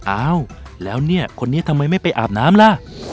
อ้าวแล้วเนี่ยคนนี้ทำไมไม่ไปอาบน้ำล่ะ